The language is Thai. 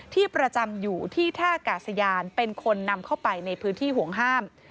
ที่ประจำอยู่ที่ท่ากาศยานเป็นคนนำเข้าไปในพื้นที่ห่วงห้าม